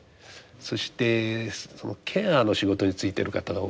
そしてそのケアの仕事に就いている方が多い。